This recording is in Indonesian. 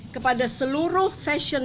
kepada seluruh fashion